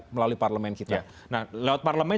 melalui parlemen kita nah lewat parlemen